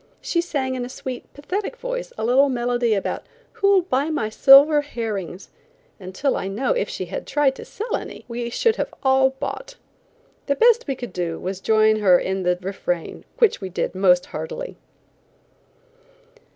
She sang in a sweet, pathetic voice a little melody about "Who'll buy my silver herrings?" until, I know, if she had tried to sell any, we should all have bought. The best we could do was to join her in the refrain, which we did most heartily.